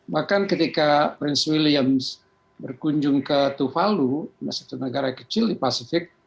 bahkan ketika prince williams berkunjung ke tuvalu ke satu negara kecil di pasifik